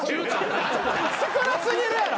少な過ぎるやろ。